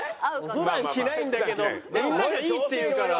普段着ないんだけどみんなが「いい！」って言うから。